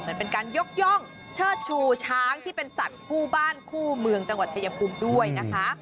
เหมือนเป็นการยกย่องเชิดชูช้างที่เป็นสัตว์คู่บ้านคู่เมืองจังหวัดชายภูมิด้วยนะคะ